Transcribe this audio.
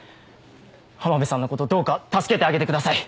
濱辺さんのことどうか助けてあげてください。